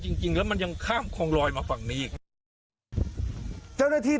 หมดทางก็ไม่เห็น